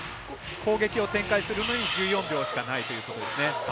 攻撃を展開するうえで１４秒しかないということですね。